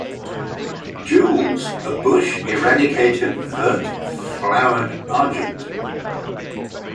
Gules, a bush eradicated Vert flowered Argent.